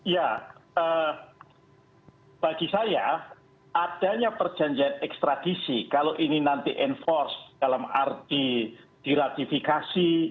ya bagi saya adanya perjanjian ekstradisi kalau ini nanti enforce dalam arti diratifikasi